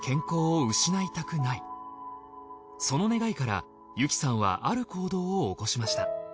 その願いから由紀さんはある行動を起こしました。